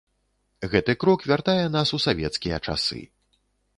Гэты крок вяртае нас у савецкія часы.